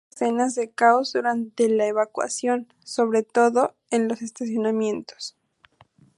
Hubo escenas de caos durante la evacuación, sobre todo en los estacionamientos.